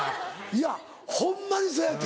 いやホンマにそやて。